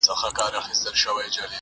زه خو ځکه لېونتوب په خوښۍ نمانځم,